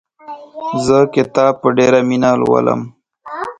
زه کتاب په ډېره مینه لولم.